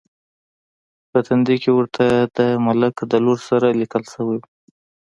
په تندي کې ورته د ملک د لور سره لیکل شوي و.